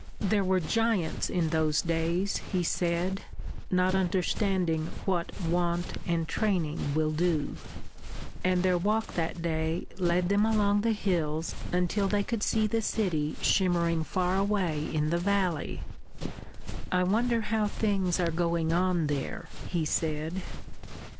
"There were giants in those days," he said, not understanding what wont and training will do. And their walk that day led them along the hills until they could see the city shimmering far away in the valley. "I wonder how things are going on there," he said.